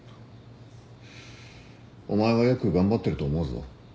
お前はよく頑張ってると思うぞ。